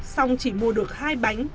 xong chỉ mua được hai bánh